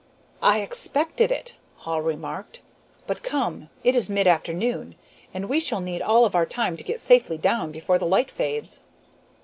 "I expected it," Hall remarked. "But come, it is mid afternoon, and we shall need all of our time to get safely down before the light fades."